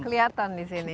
kelihatan di sini